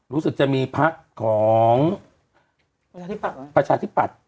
รู้สึกจะมีพักของประชาธิปัตย์ประชาธิปัตย์